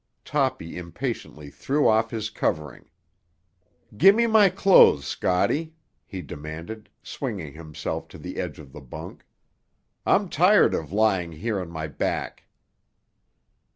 Toppy impatiently threw off his covering. "Gimme my clothes, Scotty," he demanded, swinging himself to the edge of the bunk. "I'm tired of lying here on my back."